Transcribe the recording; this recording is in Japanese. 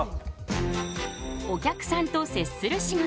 お客さんと接する仕事。